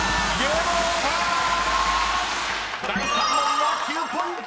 ［第３問は９ポイント］